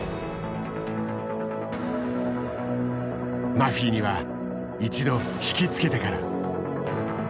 マフィには一度引き付けてから。